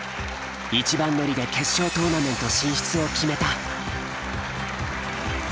１番乗りで決勝トーナメント進出を決めた。